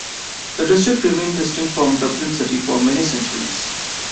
The district remained distinct from Dublin city for many centuries.